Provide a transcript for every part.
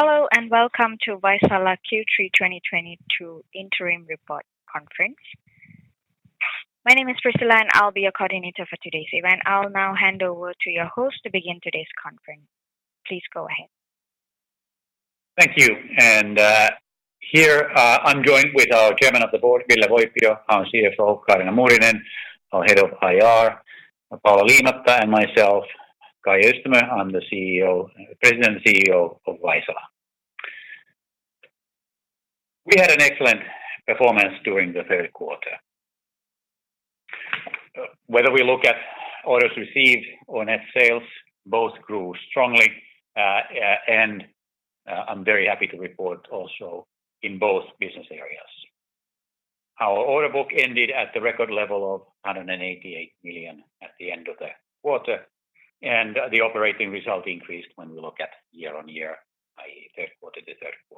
Hello, and welcome to Vaisala Q3 2022 Interim Report conference. My name is Priscilla, and I'll be your coordinator for today's event. I'll now hand over to your host to begin today's conference. Please go ahead. Thank you. Here, I'm joined with our chairman of the board, Ville Voipio, our CFO, Kaarina Muurinen, our head of IR, Paula Liimatta, and myself, Kai Öistämö. I'm the president and CEO of Vaisala. We had an excellent performance during the Q3. Whether we look at orders received or net sales, both grew strongly, and I'm very happy to report also in both business areas. Our order book ended at the record level of 188 million at the end of the quarter, and the operating result increased when we look at year-on-year, i.e, Q3 to Q3.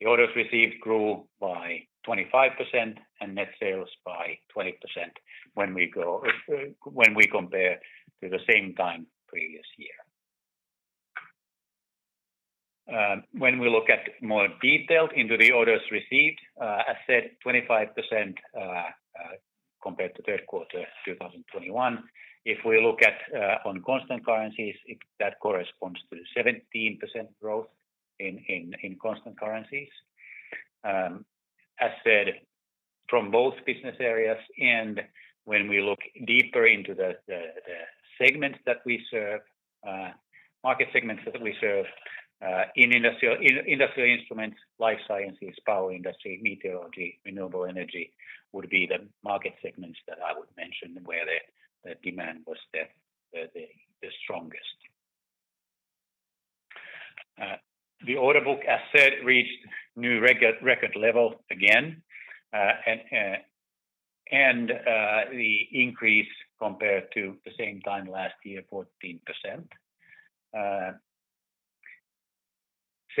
The orders received grew by 25% and net sales by 20% when we compare to the same time previous year. When we look at more detailed into the orders received, as said, 25%, compared to Q3 2021. If we look at on constant currencies, that corresponds to 17% growth in constant currencies, as said from both business areas. When we look deeper into the segments that we serve, market segments that we serve, in industrial instruments, life sciences, power industry, meteorology, renewable energy would be the market segments that I would mention where the demand was the strongest. The order book, as said, reached new record level again, and the increase compared to the same time last year, 14%.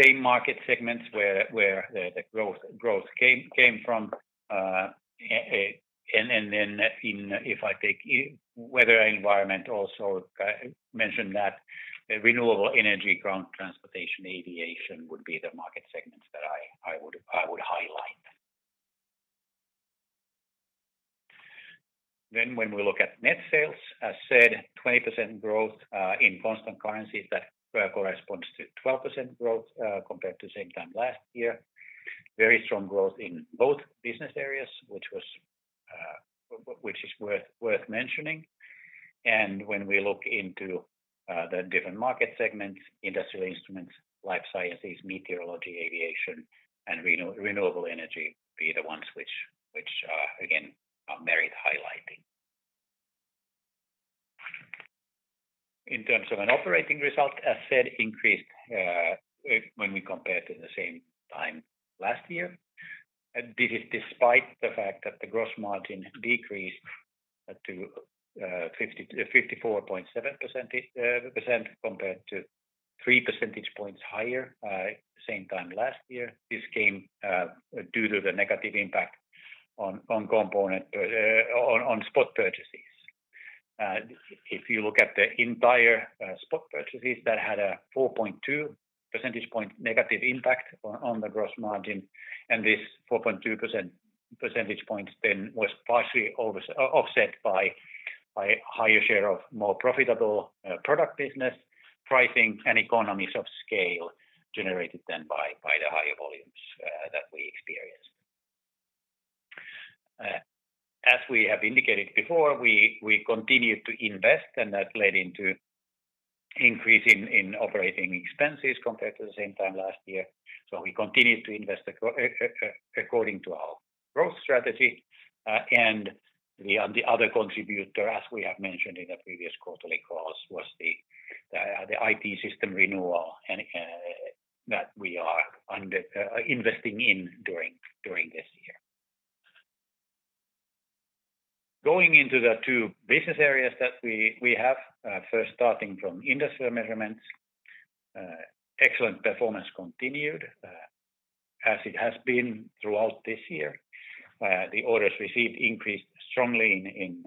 Same market segments where the growth came from, and then if I take Weather and Environment also, mention that renewable energy, ground transportation, aviation would be the market segments that I would highlight. When we look at net sales, as said, 20% growth in constant currencies that corresponds to 12% growth compared to same time last year. Very strong growth in both business areas, which is worth mentioning. When we look into the different market segments, industrial instruments, life sciences, meteorology, aviation, and renewable energy be the ones which again are worth highlighting. In terms of an operating result, as said, increased when we compare to the same time last year. This is despite the fact that the gross margin decreased to 50%-54.7% compared to three percentage points higher same time last year. This came due to the negative impact on spot purchases. If you look at the entire spot purchases, that had a 4.2 percentage point negative impact on the gross margin, and this 4.2 percentage points then was partially offset by higher share of more profitable product business pricing and economies of scale generated then by the higher volumes that we experienced. As we have indicated before, we continued to invest and that led to an increase in operating expenses compared to the same time last year. We continued to invest according to our growth strategy, and the other contributor, as we have mentioned in the previous quarterly calls, was the IT system renewal and that we are investing in during this year. Going into the two business areas that we have, first starting from Industrial Measurements, excellent performance continued as it has been throughout this year. The orders received increased strongly in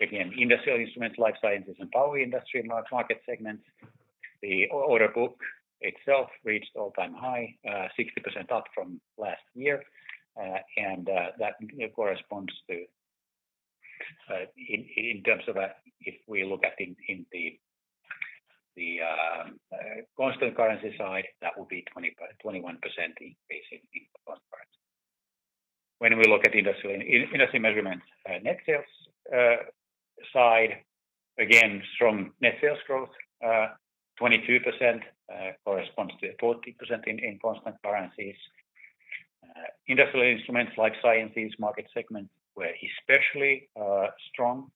again, industrial instruments, life sciences and power industry market segments. The order book itself reached all-time high, 60% up from last year, and that corresponds to, in terms of, if we look at in the constant currency side, that will be 21% increase in constant currency. When we look at Industrial Measurements, net sales side, again, strong net sales growth, 22%, corresponds to 40% in constant currencies. Industrial instruments, life sciences market segments were especially strong,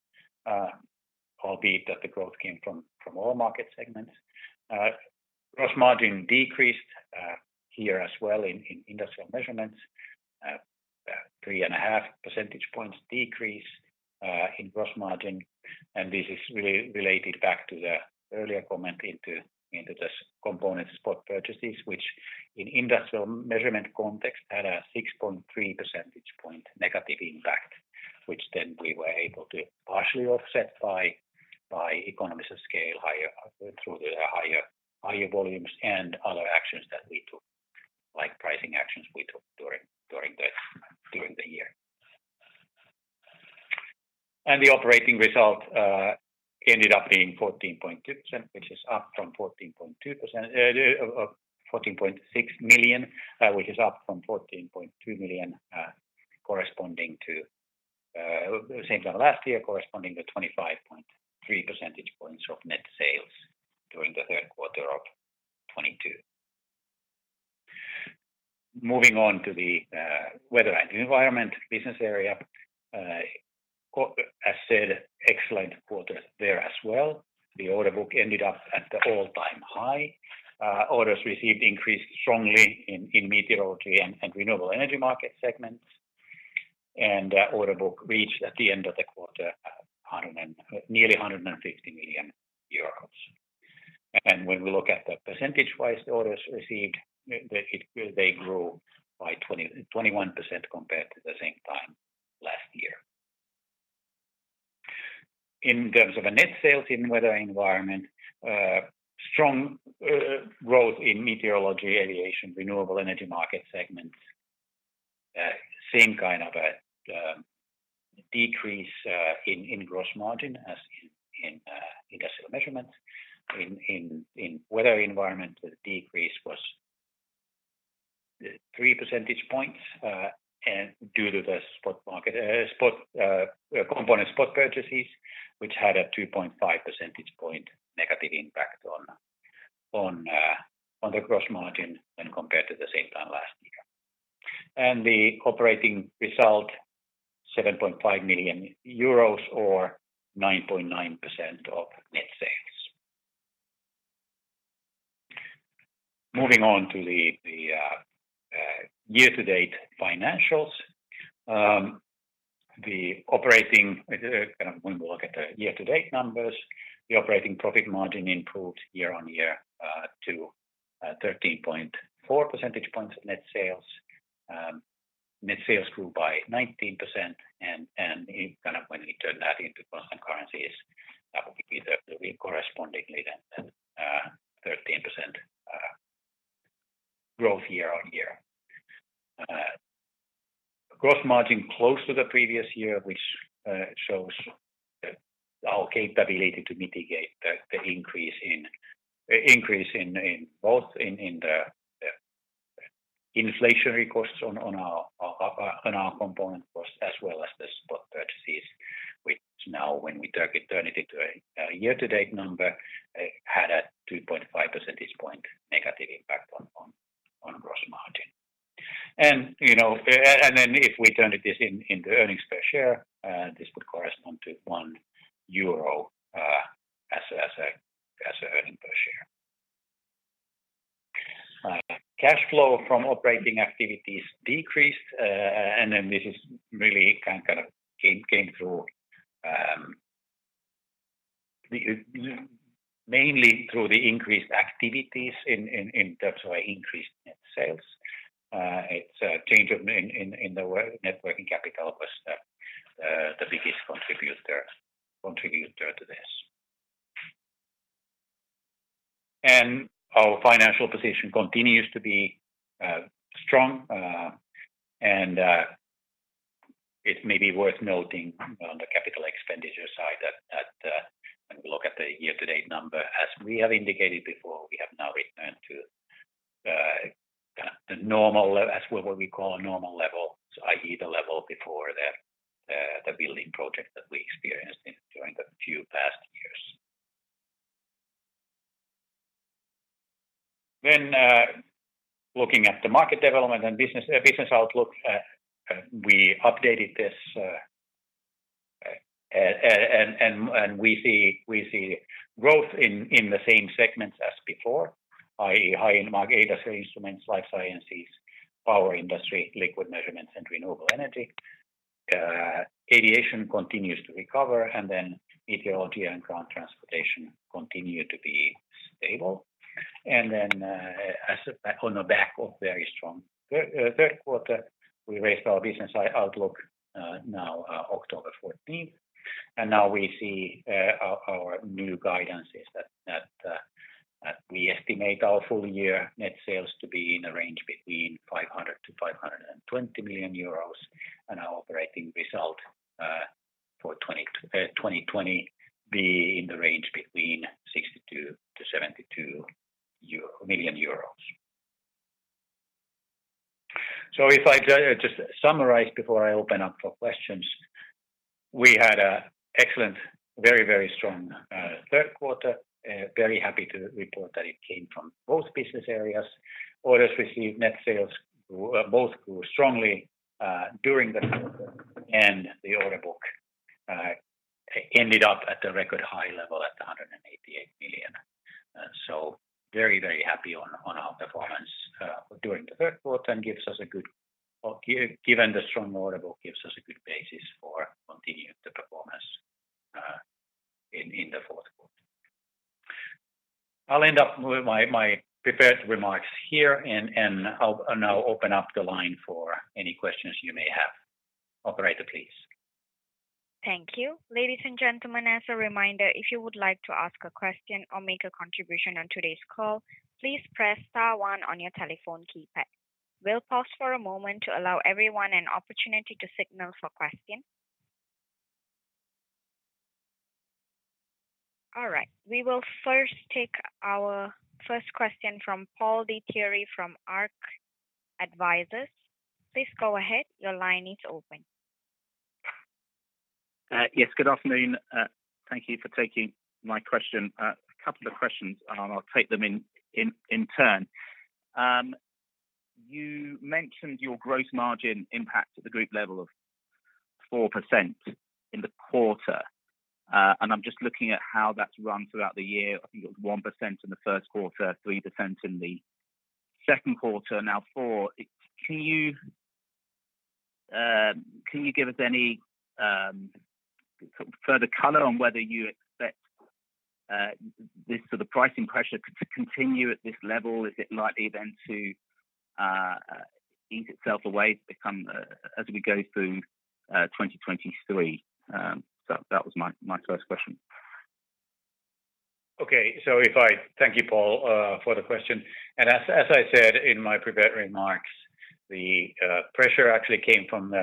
albeit that the growth came from all market segments. Gross margin decreased here as well in Industrial Measurements, 3.5 percentage points decrease in gross margin, and this is related back to the earlier comment into this component spot purchases, which in industrial measurement context had a 6.3 percentage point negative impact. We were able to partially offset by economies of scale higher through the higher volumes and other actions that we took, like pricing actions we took during the year. The operating result ended up being 14.2%, which is up from 14.2%. 14.6 million, which is up from 14.2 million, corresponding to same time last year corresponding to 25.3 percentage points of net sales during Q3 2022. Moving on to the Weather and Environment business area. As said, excellent quarter there as well. The order book ended up at the all-time high. Orders received increased strongly in meteorology and renewable energy market segments. Order book reached at the end of the quarter nearly 150 million euros. When we look at the percentage-wise orders received, they grew by 21% compared to the same time last year. In terms of net sales in Weather and Environment, strong growth in meteorology, aviation, renewable energy market segments. Same kind of a decrease in gross margin as in Industrial Measurements. In Weather and Environment, the decrease was three percentage points and due to the spot market component spot purchases, which had a 2.5 percentage point negative impact on the gross margin when compared to the same time last year. The operating result, 7.5 million euros or 9.9% of net sales. Moving on to the year-to-date financials. When we look at the year-to-date numbers, the operating profit margin improved year-on-year to 13.4 percentage points net sales. Net sales grew by 19% and it kind of, when we turn that into constant currencies, that would be the corresponding 13% growth year-over-year. Gross margin close to the previous year, which shows our capability to mitigate the increase in both the inflationary costs on our component costs, as well as the spot purchases, which now when we turn it into a year-to-date number, had a 2.5 percentage point negative impact on gross margin. You know, and then if we turn this into earnings per share, this would correspond to 1 euro as earnings per share. Cash flow from operating activities decreased, and then this is really kind of came through mainly through the increased activities in terms of increased net sales. It's a change in the working capital was the biggest contributor to this. Our financial position continues to be strong, and it may be worth noting on the capital expenditure side that when we look at the year-to-date number, as we have indicated before, we have now returned to kind of the normal level as what we call a normal level, i.e., the level before the building project that we experienced during the past few years. Looking at the market development and business outlook, we updated this, and we see growth in the same segments as before, i.e., high-end measurement, data instruments, life sciences, power industry, liquid measurements, and renewable energy. Aviation continues to recover, and meteorology and ground transportation continue to be stable. On the back of very strong Q3, we raised our business outlook, October 14. Our new guidance is that we estimate our full year net sales to be in a range between 500 million-520 million euros and our operating result for 2022 to be in the range between 62 million-72 million euros. If I just summarize before I open up for questions, we had an excellent, very, very strong Q3. Very happy to report that it came from both business areas. Orders received, net sales grew. Both grew strongly during the quarter, and the order book ended up at a record high level at 188 million. Very, very happy with our performance during the Q3, and given the strong order book, gives us a good basis. I'll end up with my prepared remarks here, and I'll now open up the line for any questions you may have. Operator, please. Thank you. Ladies and gentlemen, as a reminder, if you would like to ask a question or make a contribution on today's call, please press star one on your telephone keypad. We'll pause for a moment to allow everyone an opportunity to signal for question. All right. We will first take our first question from [Paul de Thierry from Arke Advisers]. Please go ahead. Your line is open. Yes, good afternoon. Thank you for taking my question. A couple of questions, and I'll take them in turn. You mentioned your gross margin impact at the group level of 4% in the quarter. I'm just looking at how that's run throughout the year. I think it was 1% in the Q1, 3% in the Q2, now 4%. Can you give us any further color on whether you expect this sort of pricing pressure to continue at this level? Is it likely then to ease itself away as it become as we go through 2023? That was my first question. Thank you, Paul, for the question. As I said in my prepared remarks, the pressure actually came from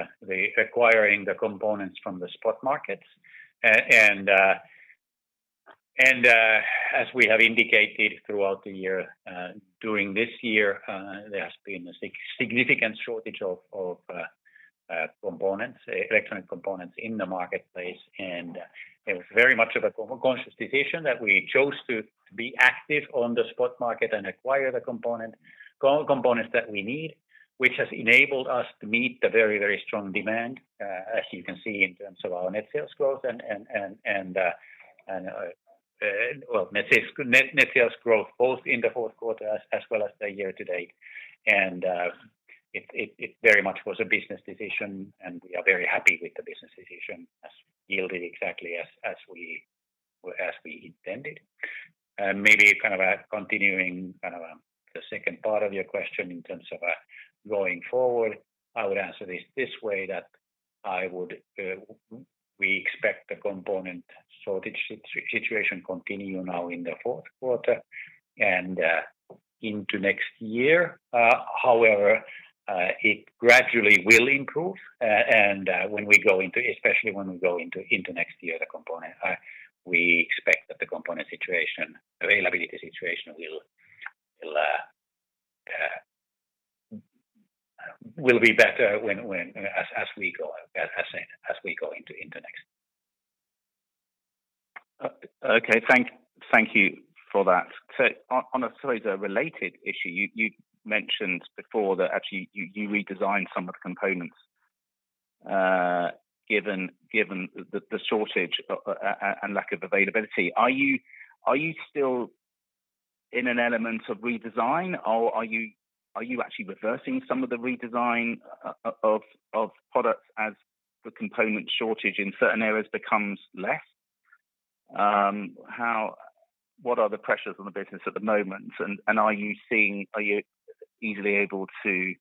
acquiring the components from the spot markets. As we have indicated throughout the year, during this year, there has been a significant shortage of electronic components in the marketplace. It was very much of a conscious decision that we chose to be active on the spot market and acquire the components that we need, which has enabled us to meet the very strong demand, as you can see in terms of our net sales growth both in the Q4 as well as the year to date. It very much was a business decision, and we are very happy with the business decision. It has yielded exactly as we intended. Maybe continuing the second part of your question in terms of going forward, I would answer this way, that we expect the component shortage situation continue now in the Q4 and into next year. However, it gradually will improve, and especially when we go into next year, the component we expect that the component situation, availability situation will be better when as we go as in as we go into next. Okay. Thank you for that. On a sort of related issue, you mentioned before that actually you redesigned some of the components, given the shortage and lack of availability. Are you still in an element of redesign, or are you actually reversing some of the redesign of products as the component shortage in certain areas becomes less? What are the pressures on the business at the moment? And are you easily able to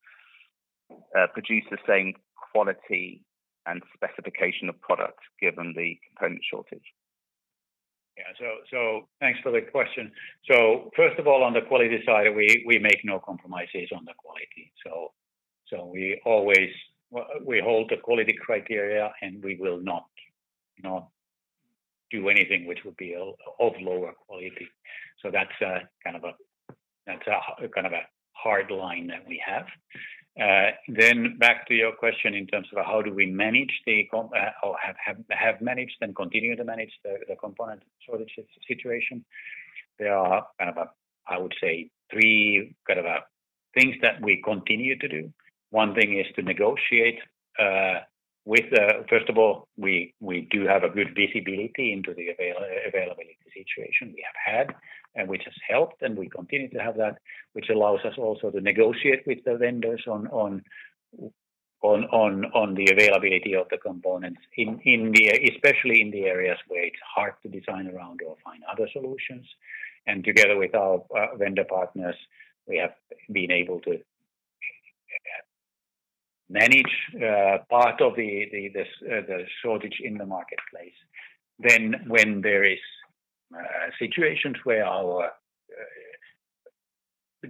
produce the same quality and specification of products given the component shortage? Thanks for the question. First of all, on the quality side, we make no compromises on the quality. We always hold the quality criteria, and we will not do anything which would be of lower quality. That's kind of a hard line that we have. Back to your question in terms of how we manage or have managed and continue to manage the component shortage situation. There are kind of, I would say, three kind of things that we continue to do. One thing is to negotiate with... First of all, we do have a good visibility into the availability situation we have had and which has helped, and we continue to have that, which allows us also to negotiate with the vendors on the availability of the components, especially in the areas where it's hard to design around or find other solutions. Together with our vendor partners, we have been able to manage part of the shortage in the marketplace. When there is situations where,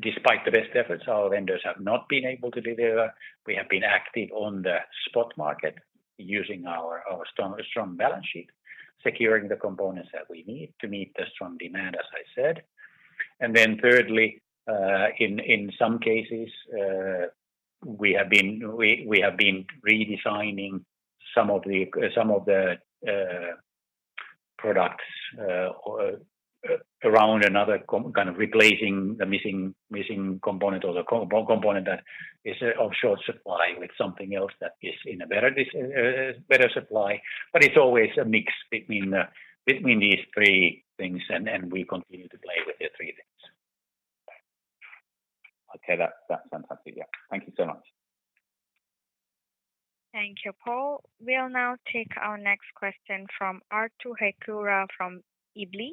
despite the best efforts, our vendors have not been able to deliver, we have been active on the spot market using our strong balance sheet, securing the components that we need to meet the strong demand, as I said. Thirdly, in some cases, we have been redesigning some of the products around another component kind of replacing the missing component or the component that is of short supply with something else that is in a better supply. It's always a mix between these three things, and we continue to play with the three things. Okay, that's fantastic. Yeah. Thank you so much. Thank you, Paul. We'll now take our next question from Arttu Heikura from Evli.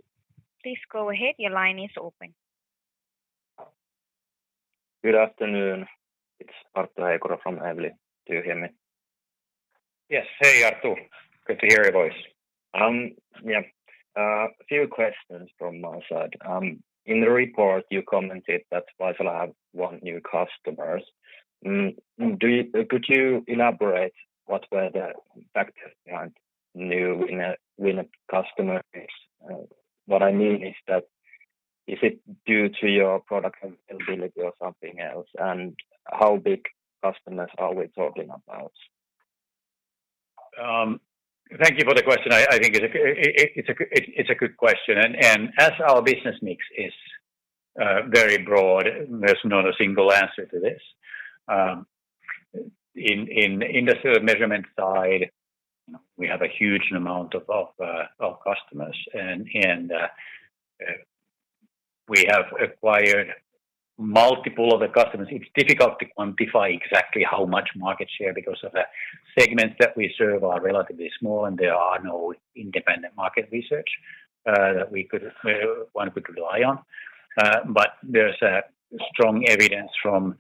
Please go ahead. Your line is open. Good afternoon. It's Arttu Heikura from Evli. Do you hear me? Yes. Hey, Arttu. Good to hear your voice. Yeah. Few questions from my side. In the report, you commented that Vaisala have won new customers. Could you elaborate what were the factors behind new winning customers? What I mean is that is it due to your product availability or something else? How big customers are we talking about? Thank you for the question. I think it's a good question. As our business mix is very broad, there's not a single answer to this. In the sort of measurement side, we have a huge amount of customers and we have acquired multiple of the customers. It's difficult to quantify exactly how much market share because of the segments that we serve are relatively small, and there are no independent market research that one could rely on. But there's a strong evidence from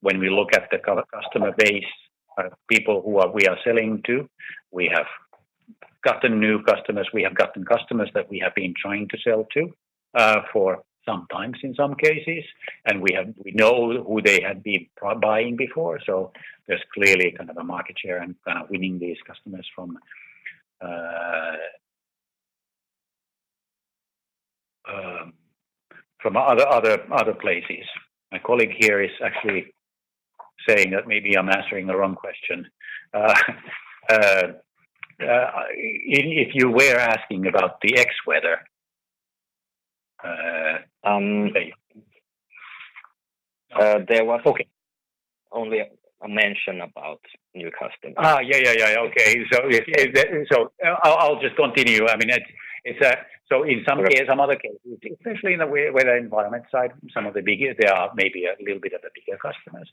when we look at the customer base, people who we are selling to. We have gotten new customers. We have gotten customers that we have been trying to sell to for some times in some cases. We know who they had been buying before, so there's clearly kind of a market share and kind of winning these customers from other places. My colleague here is actually saying that maybe I'm answering the wrong question. If you were asking about the Xweather, There was- Okay. Only a mention about new customers. I'll just continue. I mean, it's some other cases, especially in the Weather and Environment side, some of the bigger there are maybe a little bit of the bigger customers.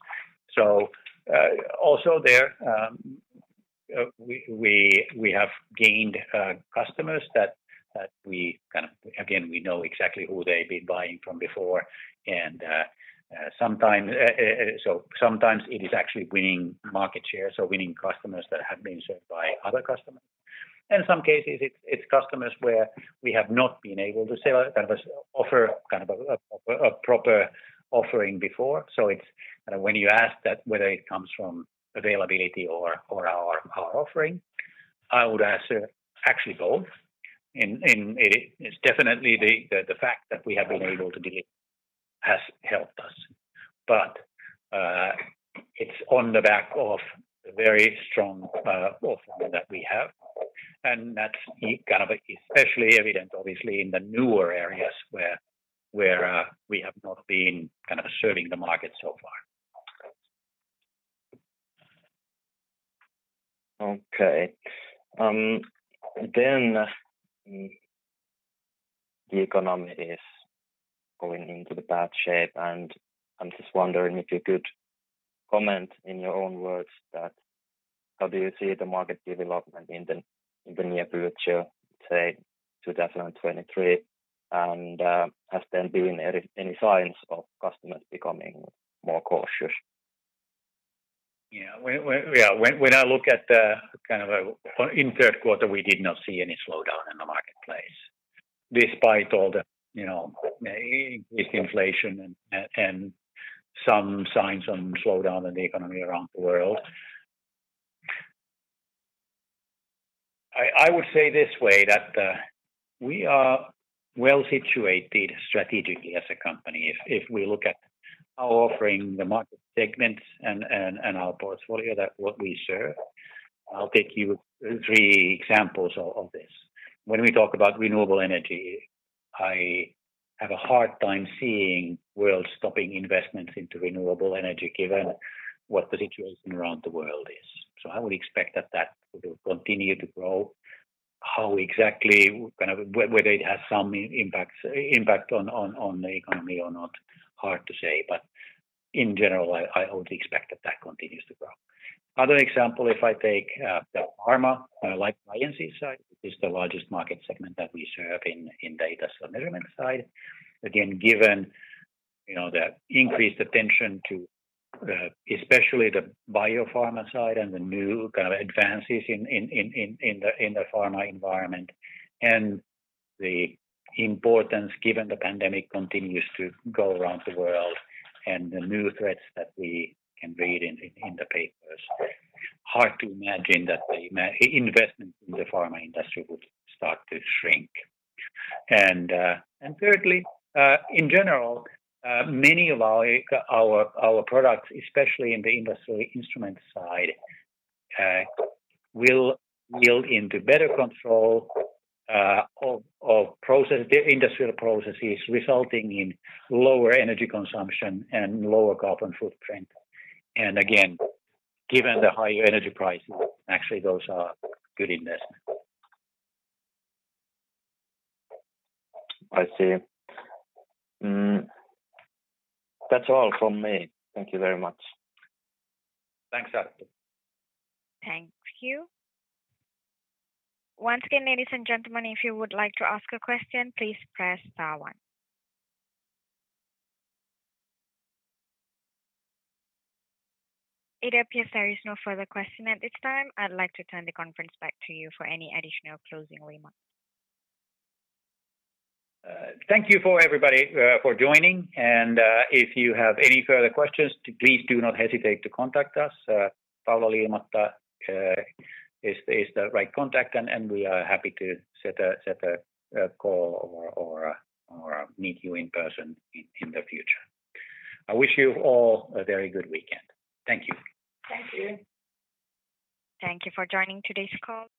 Also there, we have gained customers that we kind of again, we know exactly who they've been buying from before. And sometimes it is actually winning market share, winning customers that have been served by other customers. In some cases, it's customers where we have not been able to sell or kind of offer kind of a proper offering before. It's kind of when you ask that whether it comes from availability or our offering, I would answer actually both. It is definitely the fact that we have been able to deliver has helped us. It is on the back of the very strong offering that we have, and that is kind of especially evident obviously in the newer areas where we have not been kind of serving the market so far. The economy is going into the bad shape, and I'm just wondering if you could comment in your own words that how do you see the market development in the near future, say, 2023? Has there been any signs of customers becoming more cautious? When I look at Q3, we did not see any slowdown in the marketplace despite all the, increased inflation and some signs of slowdown in the economy around the world. I would say this way, that we are well situated strategically as a company if we look at our offering, the market segments and our portfolio that what we serve. I'll take you three examples of this. When we talk about renewable energy, I have a hard time seeing the world stopping investments into renewable energy given what the situation around the world is. I would expect that that will continue to grow. How exactly whether it has some impact on the economy or not, hard to say, but in general, I would expect that continues to grow. Other example, if I take the pharma life sciences side, which is the largest market segment that we serve in the data measurement side. Again, given the increased attention to the especially the biopharma side and the new kind of advances in the pharma environment and the importance given the pandemic continues to go around the world and the new threats that we can read in the papers, hard to imagine that the investment in the pharma industry would start to shrink. Thirdly, in general, many of our products, especially in the industrial instruments side, will build into better control of the industrial processes resulting in lower energy consumption and lower carbon footprint. Again, given the high energy prices, actually those are good investment. I see. That's all from me. Thank you very much. Thanks, Arttu. Thank you. Once again, ladies and gentlemen, if you would like to ask a question, please press star one. It appears there is no further question at this time. I'd like to turn the conference back to you for any additional closing remarks. Thank you for everybody for joining. If you have any further questions, please do not hesitate to contact us. Paula Liimatta is the right contact, and we are happy to set a call or meet you in person in the future. I wish you all a very good weekend. Thank you. Thank you. Thank you for joining today's call.